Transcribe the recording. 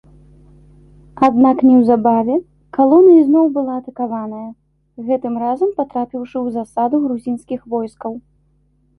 Аднак неўзабаве калона ізноў была атакаваная, гэтым разам патрапіўшы ў засаду грузінскіх войскаў.